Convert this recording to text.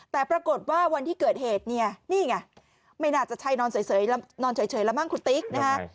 แต่ปรากฏว่าวันที่เกิดเหตุเนี่ยนี่ไงไม่น่าจะใช่นอนเฉยแล้วมั้งคุณติ๊กนะฮะ